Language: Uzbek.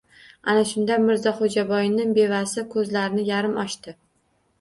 Ana shunda, Mirzaxo‘jaboyni bevasi ko‘zlarini yarim ochdi!